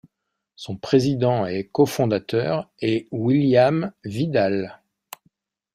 Son président et cofondateur est William Vidal.